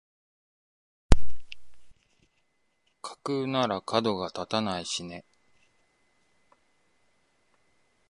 架空ならかどが立たないしね